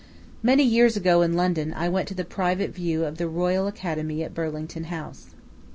Many years ago in London I went to the private view of the Royal Academy at Burlington House.